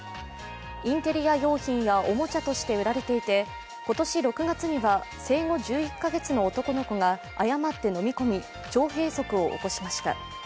インテリア用品やおもちゃとして売られていて今年６月には生後１１カ月の男の子が誤って飲み込み、腸閉塞を起こしました。